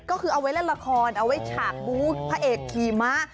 ก็คือเอาไว้เล่นละครเอาไว้ฉากบูธพระเอกขี่ม้า